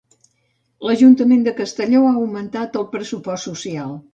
L'Ajuntament de Castelló ha augmentat el pressupost social.